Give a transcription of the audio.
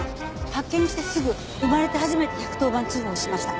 発見してすぐ生まれて初めて１１０番通報しました。